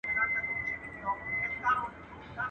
د کباب هره ټوته د زهرو جام وو !.